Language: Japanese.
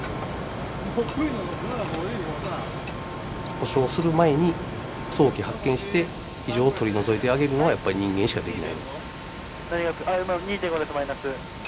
故障する前に早期発見して異常を取り除いてあげるのはやっぱり人間しかできない。